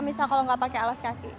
misal kalau nggak pakai alas kaki